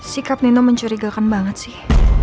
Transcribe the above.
sikap nino mencurigakan banget sih